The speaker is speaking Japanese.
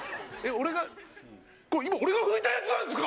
俺が今俺が拭いたやつなんですか！？